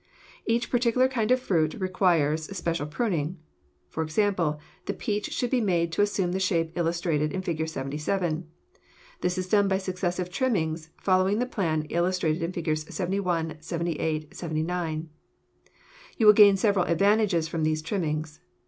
Each particular kind of fruit requires special pruning; for example, the peach should be made to assume the shape illustrated in Fig. 77. This is done by successive trimmings, following the plan illustrated in Figs. 71, 78, 79. You will gain several advantages from these trimmings.